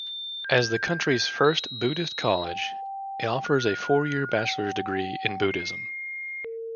As the country's first Buddhist college, it offers a four-year bachelor's degree in Buddhism.